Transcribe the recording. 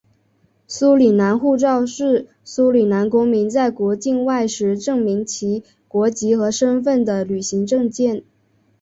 苏里南护照是苏里南公民在国境外时证明其国籍和身份的旅行证件。